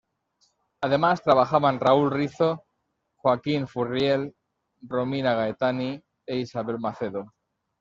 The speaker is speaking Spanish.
Además trabajaban Raúl Rizzo, Joaquin Furriel, Romina Gaetani e Isabel Macedo.